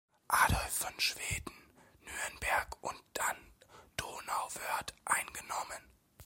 Adolf von Schweden Nürnberg und dann Donauwörth eingenommen.